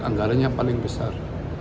anggaranya paling besar